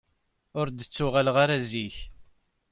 Ur d-ttuɣaleɣ ara zik.